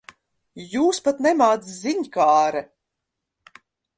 Jūs pat nemāc ziņkāre.